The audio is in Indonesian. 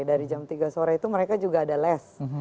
dari jam tiga sore itu mereka juga ada les